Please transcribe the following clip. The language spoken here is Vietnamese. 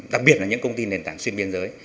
đặc biệt là những công ty nền tảng xuyên biên giới